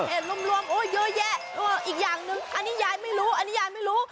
เห็นรวมโอ้เยอะแยะอีกอย่างหนึ่งอันนี้ยายไม่รู้อันนี้ยายไม่รู้